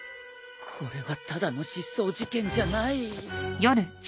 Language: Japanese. これはただの失踪事件じゃない。